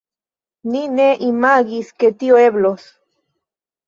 Ni ne imagis, ke tio eblos.